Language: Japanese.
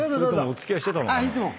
お付き合いしてたのかな？